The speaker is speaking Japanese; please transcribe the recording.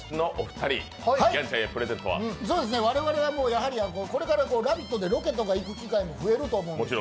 我々はやはり、これから「ラヴィット！」でロケとか行く機会が増えると思うんです。